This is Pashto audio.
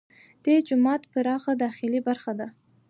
دې جومات پراخه داخلي برخه ده.